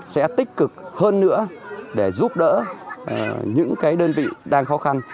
sẽ tích cực hơn nữa để giúp đỡ những đơn vị đang khó khăn